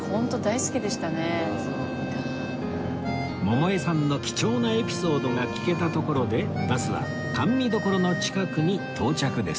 百恵さんの貴重なエピソードが聞けたところでバスは甘味処の近くに到着です